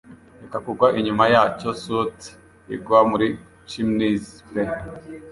Reka kugwa inyuma yacyo soot igwa muri chimneys pe